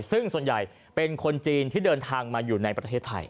ซึ่งส่วนใหญ่เป็นคนจีนที่เดินทางมาอยู่ในประเทศไทย